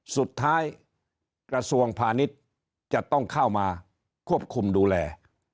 กระทรวงพาณิชย์จะต้องเข้ามาควบคุมดูแล